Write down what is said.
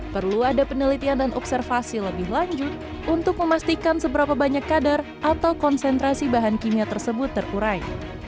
perlu ada penelitian dan observasi lebih lanjut untuk memastikan seberapa banyak kadar atau konsentrasi bahan kimia tersebut terurai